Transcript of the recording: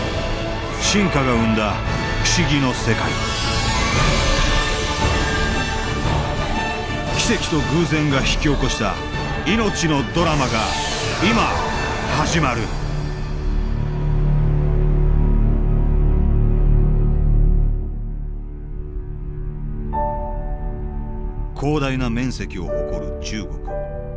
進化が生んだ不思議の世界奇跡と偶然が引き起こした命のドラマが今始まる広大な面積を誇る中国。